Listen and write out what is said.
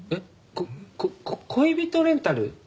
ここ恋人レンタル？